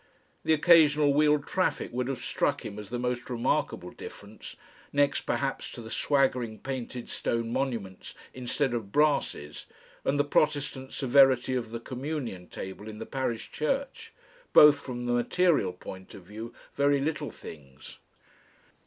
The occasional wheeled traffic would have struck him as the most remarkable difference, next perhaps to the swaggering painted stone monuments instead of brasses and the protestant severity of the communion table in the parish church, both from the material point of view very little things.